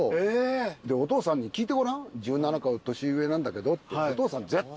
お父さんに聞いてごらん１７個年上なんだけどって。